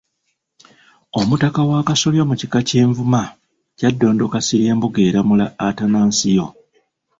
Omutaka wa Kasolya mu Kika ky'e Nvuma , Kyaddondo Kasirye Mbugeeramula Atanansiyo